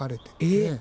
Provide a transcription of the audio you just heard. えっ！